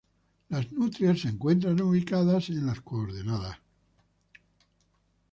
Las Nutrias se encuentra ubicado en las coordenadas.